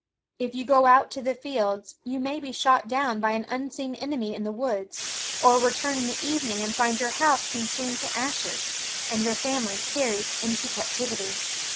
If you go out to the fields, you may be shot down by an unseen enemy in the woods, or return in the evening and find your house consumed to ashes, and your family carried into captivity."